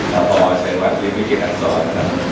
แล้วพอใช้วันที่มิกิลักษณ์สอนนะครับ